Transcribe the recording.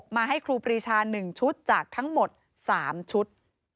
มาให้ครูปรีชา๑ชุดจากทั้งหมด๓ชุด